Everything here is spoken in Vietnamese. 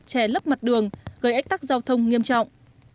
chè lấp mặt đường gây ách tắc giao thông nghiêm trọng